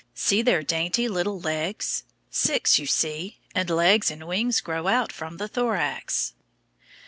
See their dainty little legs. Six, you see, and legs and wings grow out from the thorax.